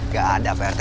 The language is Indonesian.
gak ada pak rete